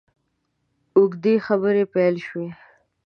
اوږدې خبرې پیل شوې.